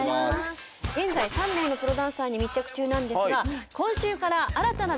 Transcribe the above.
現在３名のプロダンサーに密着中なんですが今週から。